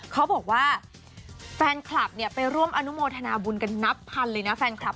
เขาบอกว่าแฟนคลับเนี่ยไปร่วมอนุโมทนาบุญกันนับพันเลยนะแฟนคลับ